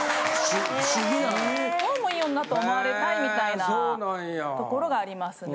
どうもいい女と思われたいみたいなところがありますね。